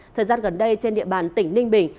thời gian gần đây trên địa bàn tỉnh ninh bình